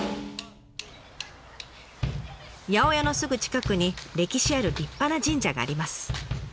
八百屋のすぐ近くに歴史ある立派な神社があります。